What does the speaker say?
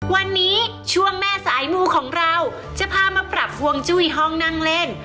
วันนี้ช่วงแม่สายมูของเราจะพามาปรับฮวงจุ้ยห้องนั่งเล่น